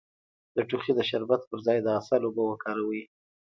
د ټوخي د شربت پر ځای د عسل اوبه وکاروئ